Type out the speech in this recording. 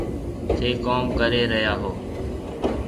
ٿَي ڪوم ڪري ريا هو۔